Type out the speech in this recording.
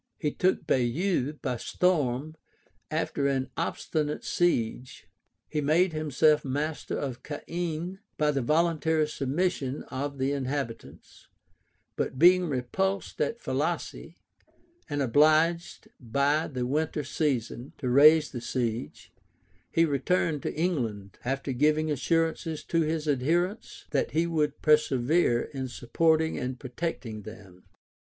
{1105.} He took Baieux by storm, after an obstinate siege; he made himself master of Caen, by the voluntary submission of the inhabitants; but being repulsed at Falaise, and obliged, by the winter season, to raise the siege, he returned into England; after giving assurances to his adherents, that he would persevere in supporting and protecting them.